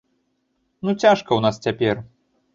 Ну цяжка ў нас цяпер.